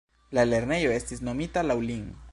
La lernejo estis nomita laŭ lin.